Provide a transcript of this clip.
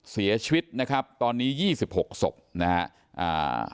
เสียชีวิตนะครับตอนนี้ยี่สิบหกศพนะฮะอ่า